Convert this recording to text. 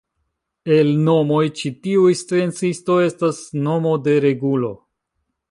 El nomoj ĉi tiuj sciencistoj estas nomo de regulo.